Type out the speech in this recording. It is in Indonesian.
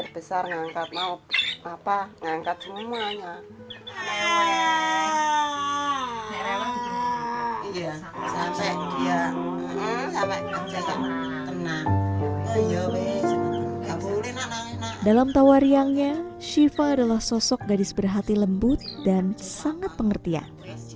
dalam tawariangnya shiva adalah sosok gadis berhati lembut dan sangat pengertian